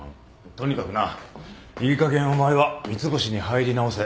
とにかくないいかげんお前は三ツ星に入り直せ。